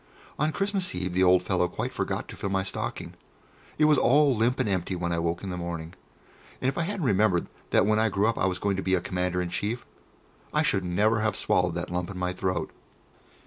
On Christmas Eve the old fellow quite forgot to fill my stocking. It was all limp and empty when I woke in the morning, and if I hadn't remembered that when I grew up I was going to be a Commander in Chief, I should never have swallowed that lump in my throat.